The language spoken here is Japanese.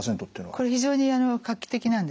これ非常に画期的なんですね。